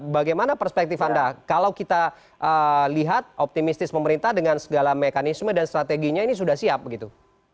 bagaimana perspektif anda kalau kita lihat optimistis pemerintah dengan segala mekanisme dan strateginya ini sudah siap begitu